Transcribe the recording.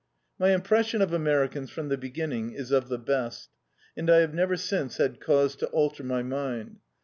My impression of Americans from the beginning is of the best, and I have never since had cause to alter my mind.